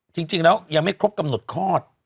จริงแล้วยังไม่ครบกำหนดคลอด